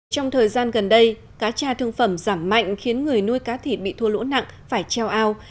trong thời gian gần đây cá cha thương phẩm giảm mạnh khiến người nuôi cá thịt bị thua lỗ nặng phải treo ao